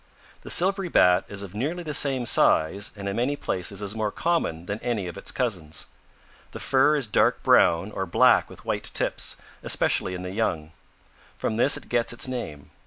"The Silvery Bat is of nearly the same size and in many places is more common than any its cousins. The fur is dark brown or black with white tips, especially in the young. From this it gets its name.